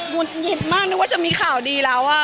ุดหงิดมากนึกว่าจะมีข่าวดีแล้ว